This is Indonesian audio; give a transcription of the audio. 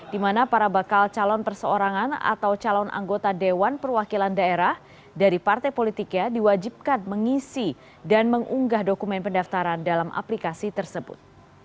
di mana para bakal calon perseorangan atau calon anggota dewan perwakilan daerah dari partai politiknya diwajibkan mengisi dan mengunggah dokumen pendaftaran dalam aplikasi tersebut